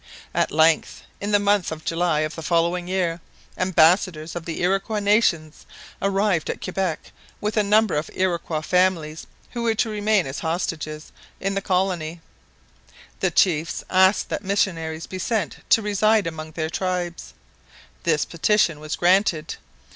At length, in the month of July of the following year, ambassadors of the Iroquois nations arrived at Quebec with a number of Iroquois families who were to remain as hostages in the colony. The chiefs asked that missionaries be sent to reside among their tribes. This petition was granted.